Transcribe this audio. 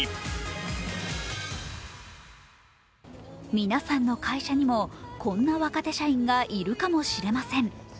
皆さんの会社にもこんな若手社員がいるかもしれません。